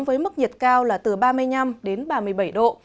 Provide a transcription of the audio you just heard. với mức nhiệt cao là từ ba mươi năm đến ba mươi bảy độ